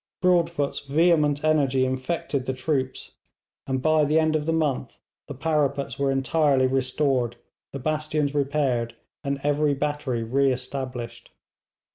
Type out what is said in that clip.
Broadfoot's vehement energy infected the troops, and by the end of the month the parapets were entirely restored, the bastions repaired, and every battery re established.